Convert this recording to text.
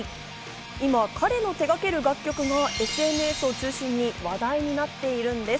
今、彼の手がける楽曲がＳＮＳを中心に、話題になっているんです。